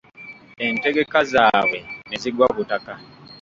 Entegeka zaabwe ne zigwa butaka.